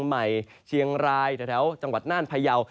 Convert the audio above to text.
ใหม่เชียงรายแถวจังหวัดน่านพยาว